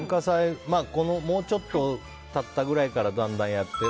もうちょっと経ったくらいからだんだんやって。